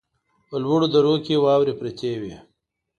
په لوړو درو کې واورې پرتې وې.